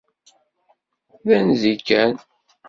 D anzi kan.